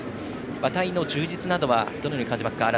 馬体の充実などはどのように感じますか？